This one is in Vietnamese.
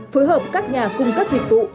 phối hợp các nhà cung cấp dịch vụ